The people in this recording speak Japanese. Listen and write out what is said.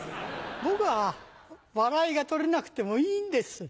僕は笑いが取れなくてもいいんです。